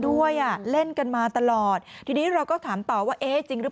ด้วยอ่ะเล่นกันมาตลอดทีนี้เราก็ถามต่อว่าเอ๊ะจริงหรือเปล่า